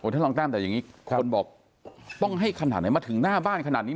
ท่านรองแต้มแต่อย่างนี้คนบอกต้องให้ขนาดไหนมาถึงหน้าบ้านขนาดนี้